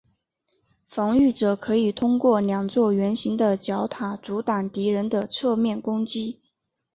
防御者可以通过两座圆形的角塔阻挡敌人的侧面进攻。